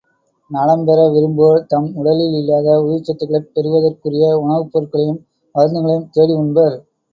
நலம்பெற விரும்புவோர் தம் உடலில் இல்லாத உயிர்ச்சத்துக்களைப் பெறுதற்குரிய உணவுப் பொருள்களையும் மருந்துகளையும் தேடி உண்பர்.